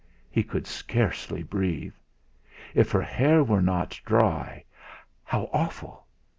He could scarcely breathe. If her hair were not dry how awful!